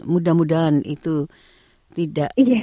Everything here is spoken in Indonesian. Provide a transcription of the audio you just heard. mudah mudahan itu tidak